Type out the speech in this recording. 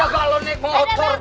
wah ada balonnya motor